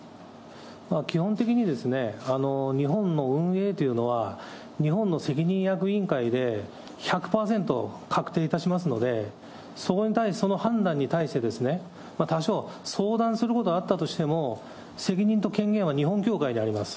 基本的に日本の運営というのは、日本の責任役員会で１００％確定いたしますので、そこの判断に対してですね、多少、相談することはあったとしても、責任と権限は日本教会であります。